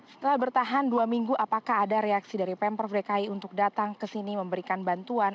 setelah bertahan dua minggu apakah ada reaksi dari pemprov dki untuk datang ke sini memberikan bantuan